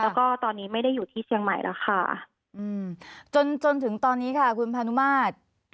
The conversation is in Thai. แล้วก็ตอนนี้ไม่ได้อยู่ที่เชียงใหม่แล้วค่ะอืมจนจนถึงตอนนี้ค่ะคุณพานุมาตร